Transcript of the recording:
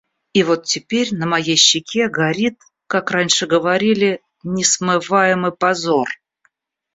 И вот теперь на моей щеке горит, как раньше говорили, несмываемый позор.